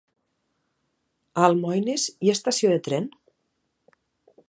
A Almoines hi ha estació de tren?